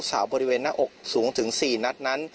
สาวบริเวณหน้าอกสูงถึง๔นัดนั้น